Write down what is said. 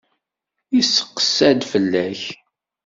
Yesseqsa-d fell-ak.